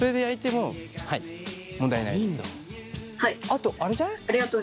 あとあれじゃない？